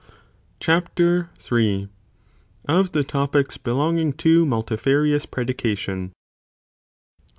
Cuap. IIL.—Of the Topics belonging to Multsfarious Predtcation.